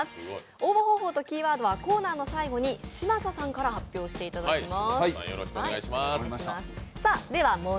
応募方法とキーワードはコーナーの最後に嶋佐さんから発表していただきます。